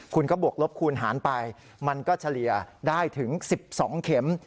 คุณก็บวกลบคูณหารไปมันก็เฉลี่ยได้ถึง๑๒เข็ม